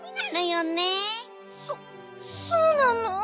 そそうなの？